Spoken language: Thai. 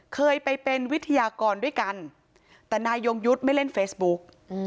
เคยไปเป็นวิทยากรด้วยกันแต่นายยงยุทธ์ไม่เล่นเฟซบุ๊ก